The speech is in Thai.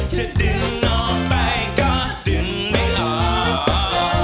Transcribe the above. จะดึงออกไปก็ดึงไม่ออก